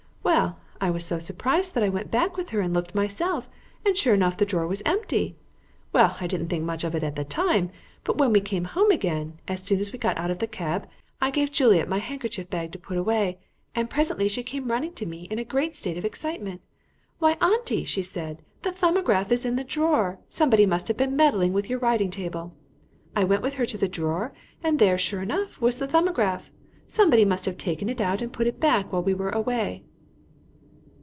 Well, I was so surprised that I went back with her and looked myself, and sure enough the drawer was empty. Well, I didn't think much of it at the time, but when we came home again, as soon as we got out of the cab, I gave Juliet my handkerchief bag to put away, and presently she came running to me in a great state of excitement. 'Why, Auntie,' she said,' the "Thumbograph" is in the drawer; somebody must have been meddling with your writing table.' I went with her to the drawer, and there, sure enough, was the 'Thumbograph.' Somebody must have taken it out and put it back while we were away."